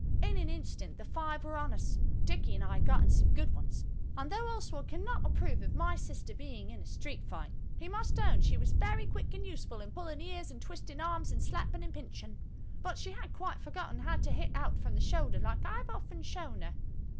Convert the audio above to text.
In an instant the five were on us. Dicky and I got in some good ones, and though Oswald cannot approve of my sister being in a street fight, he must own she was very quick and useful in pulling ears and twisting arms and slapping and pinching. But she had quite forgotten how to hit out from the shoulder like I have often shown her.